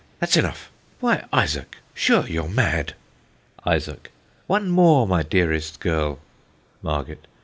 that's enough! why, Isaac, sure you're mad! ISAAC. One more, my dearest girl MARGET.